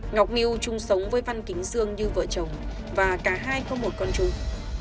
ngọc miu chung sống với văn kính dương như vợ chồng và cả hai có một con chung